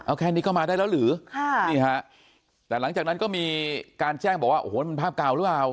เอาแค่นี้ก็มาได้แล้วหรือค่ะนี่ฮะแต่หลังจากนั้นก็มีการแจ้งบอกว่าโอ้โหมันภาพเก่าหรือเปล่า